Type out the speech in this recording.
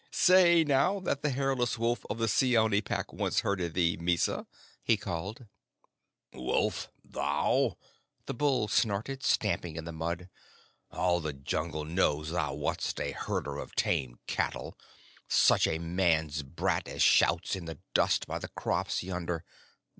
"Say now that the hairless wolf of the Seeonee Pack once herded thee, Mysa," he called. "Wolf! Thou?" the bull snorted, stamping in the mud. "All the Jungle knows thou wast a herder of tame cattle such a man's brat as shouts in the dust by the crops yonder.